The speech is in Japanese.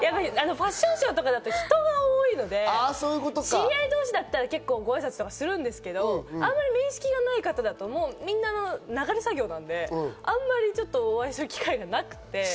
ファッションショーとかだと、人が多いので、知り合い同士だったらごあいさつとかするんですけど、あんまり面識がない方だと流れ作業なので、お会いする機会がなくて。